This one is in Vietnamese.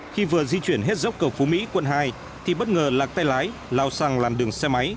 khi vừa di chuyển hết dốc cầu phú mỹ quận hai thì bất ngờ lạc tay lái lao sang làn đường xe máy